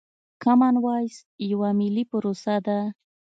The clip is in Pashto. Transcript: کامن وايس يوه ملي پروسه ده.